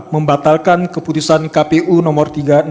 membatalkan keputusan kpu nomor tiga ratus enam puluh